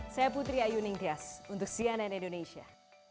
saya putri ayu ningtyas untuk cnn indonesia